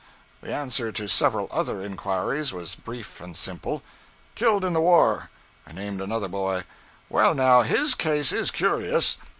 The answer to several other inquiries was brief and simple 'Killed in the war.' I named another boy. 'Well, now, his case is curious!